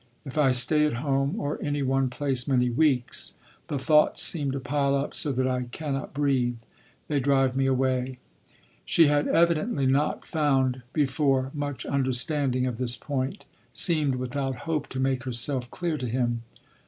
If I stay at home, or any one place many weeks, the thoughts seem to pile up so that I cannot breathe. They drive me away—" She had evidently not found before much understanding of this point—seemed without hope to make herself clear to him.